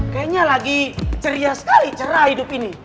kayaknya lagi ceria sekali cerah hidup ini